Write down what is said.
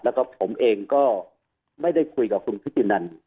แล้วก็ผมเองก็ไม่ได้คุยกับคุณพิธีนัน